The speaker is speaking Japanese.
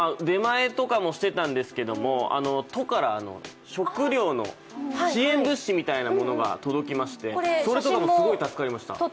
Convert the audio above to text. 出前とかもしてたんですけれども、都から食料の支援物資みたいなものが届きまして、それとかもすごい助かりました。